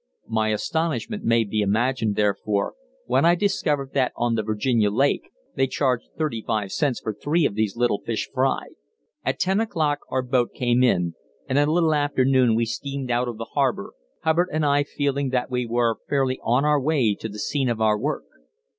My astonishment may be imagined, therefore, when I discovered that on the Virginia Lake they charged thirty five cents for three of these little fish fried. At ten o'clock our boat came in, and a little after noon we steamed out of the harbour, Hubbard and I feeling that now we were fairly on our way to the scene of our work.